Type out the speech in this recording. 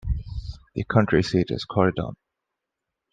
The county seat is Corydon.